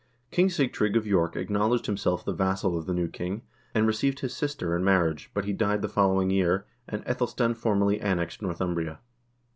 King Sigtrygg of York acknowl edged himself the vassal of the new king, and received his sister in marriage, but he died the following year, and iEthelstan formally annexed Northumbria.